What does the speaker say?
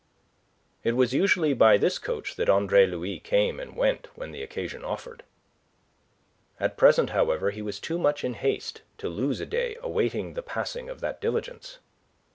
It was usually by this coach that Andre Louis came and went when the occasion offered. At present, however, he was too much in haste to lose a day awaiting the passing of that diligence.